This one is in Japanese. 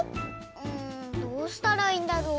んどうしたらいいんだろう？